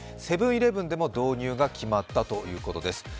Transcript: セブン−イレブンでも導入が決まったということです。